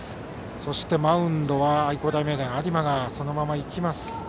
そしてマウンドは愛工大名電の有馬がそのまま行きます。